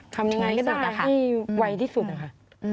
ทำยังไงก็ได้ให้ไวที่สุดนะคะ